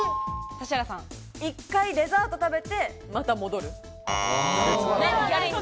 １回デザート食べてまた戻る。